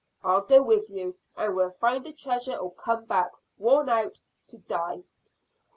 I'll go with you, and we'll find the treasure or come back, worn out, to die."